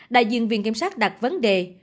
đại diện viện kiểm sát đặt vấn đề